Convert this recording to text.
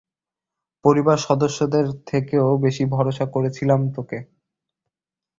পরিবারের সদস্যদের থেকেও বেশি ভরসা করেছিলাম তোকে।